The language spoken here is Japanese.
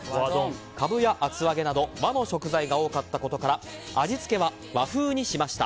カブや厚揚げなど和の食材が多かったことから味付けは和風にしました。